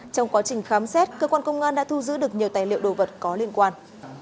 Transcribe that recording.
trong quá trình khám xét cơ quan công an đã thu giữ được nhiều tài liệu đồ vật có liên quan